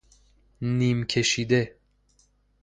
نیم کشیده